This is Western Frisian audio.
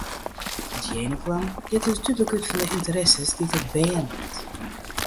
It jenaplan giet dus dúdlik út fan de ynteresses dy't it bern hat.